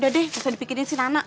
udah deh bisa dipikirin si nana